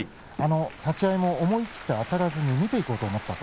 立ち合い思い切ってあたらずに見ていこうと思った。